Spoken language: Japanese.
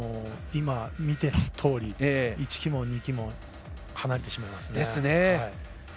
今、見たとおり１旗門、２旗門離れてしまいますね。